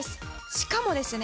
しかもですね